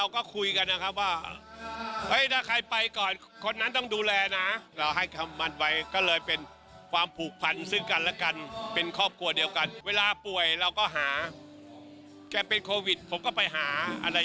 ค่อยกลับมานะถ้าสบายแล้วยู่ไว้เลยครับอาจารย์